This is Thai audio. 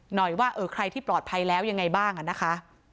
หน่อยว่าเออใครที่ปลอดภัยแล้วยังไงบ้างอ่ะนะคะ